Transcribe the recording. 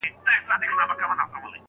لارښود کوم کتابونه شاګرد ته په ګوته کړل؟